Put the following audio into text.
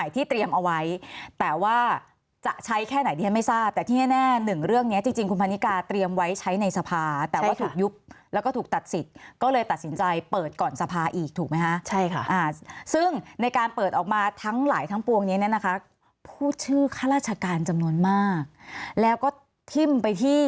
แต่ว่าถูกยุบแล้วก็ถูกตัดสิทธิ์ก็เลยตัดสินใจเปิดก่อนสภาพอีกถูกไหมคะใช่ค่ะ